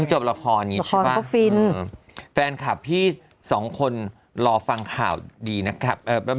เพิ่งจบละคร์นี้ใช่ปะแฟนคลับที่๒คนรอฟังข่าวดีนะครับ